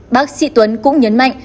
bác sĩ tuấn cũng nhấn mạnh